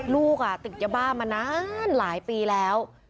ลูกอ่ะตึกยบ้ามานานหลายปีแล้ว